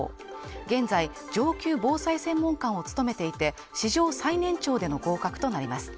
現在、上級防災専門官を務めていて、史上最年長での合格となります。